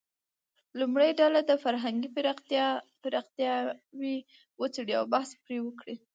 لومړۍ ډله دې فرهنګي پرمختیاوې وڅېړي او بحث پرې وکړي.